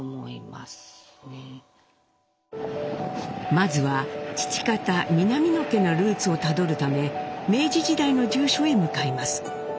まずは父方南野家のルーツをたどるため明治時代の住所へ向かいます。